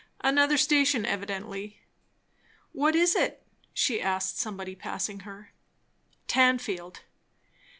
Another station, evidently. "What is it?" she asked somebody passing her. "Tanfield."